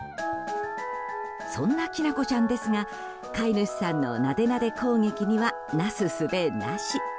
そんな、きなこちゃんですが飼い主さんの、なでなで攻撃にはなすすべなし。